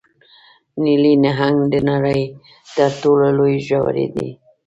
نیلي نهنګ د نړۍ تر ټولو لوی ژوی دی